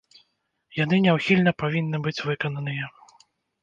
Яны няўхільна павінны быць выкананыя.